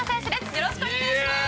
よろしくお願いします！